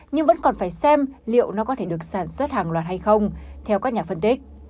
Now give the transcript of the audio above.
nhưng vẫn còn phải xem liệu nó có thể được sản xuất hàng loạt hay không theo các nhà phân tích